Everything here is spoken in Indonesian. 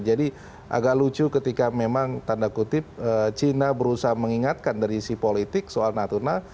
jadi agak lucu ketika memang tanda kutip china berusaha mengingatkan dari si politik soal natuna